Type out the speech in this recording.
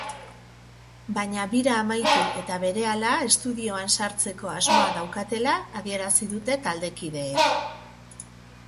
Baina bira amaitu eta berehala estudioan sartzeko asmoa daukatela adierazi dute taldekideek.